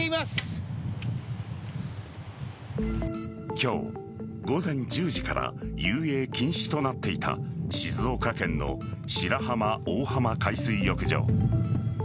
今日午前１０時から遊泳禁止となっていた静岡県の白浜大浜海水浴場。